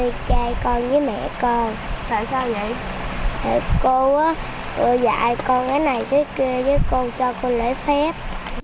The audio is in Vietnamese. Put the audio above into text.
với con cho con lấy phép